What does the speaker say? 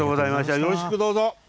よろしくどうぞ。